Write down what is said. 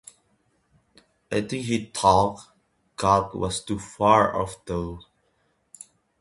I think he thought God was too far off though.